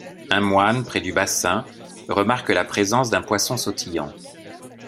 Un moine, près du bassin, remarque la présence d'un poisson sautillant.